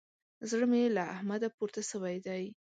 زړه مې له احمده پورته سوی دی.